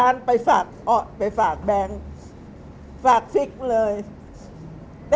เงินสิบ